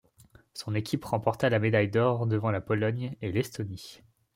Son équipe remporta la médaille d'or devant la Pologne et l'Estonie.